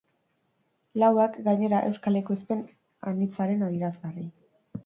Lauak, gainera, euskal ekoizpen anitzaren adierazgarri.